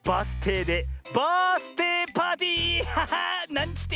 なんちって！